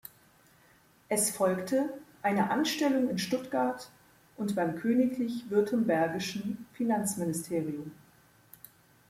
Es folgte eine Anstellung in Stuttgart und beim königlich württembergischen Finanzministerium.